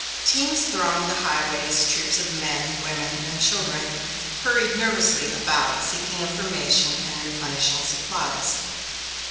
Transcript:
Teams thronged the highways; troops of men, women, and children hurried nervously about seeking information and replenishing supplies.